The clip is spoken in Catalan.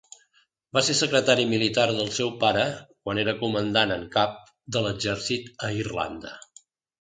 Va ser secretari militar del seu pare, quan era comandant en cap de l"exèrcit a Irlanda.